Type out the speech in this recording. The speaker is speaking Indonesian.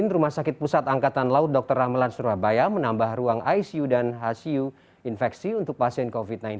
rumah sakit pusat angkatan laut dr ramelan surabaya menambah ruang icu dan hcu infeksi untuk pasien covid sembilan belas